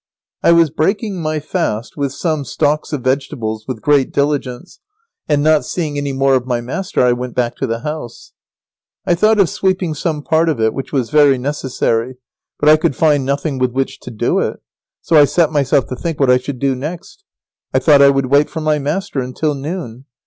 I was breaking my fast with some stalks of vegetables with great diligence, and not seeing any more of my master I went back to the house. I thought of sweeping some part of it, which was very necessary, but I could find nothing with which to do it; so I set myself to think what I should do next. [Sidenote: Lazaro waits long for his master to bring food, but he never came.] I thought I would wait for my master until noon.